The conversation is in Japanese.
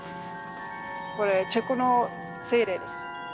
これチェコの精霊です。